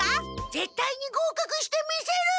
ぜったいにごうかくしてみせる！